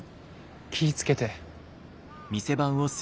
気ぃ付けて。